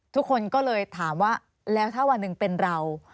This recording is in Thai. ทุกคนก็เลยถามว่าแล้วถ้าวันหนึ่งเป็นเรา